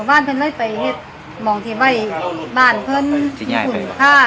บ้านเป็นเล็กประเคยศมองที่ว่าบ้านเป็นสินคุณค่า